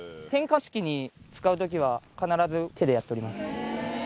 点火式に使うときは、必ず手でやっております。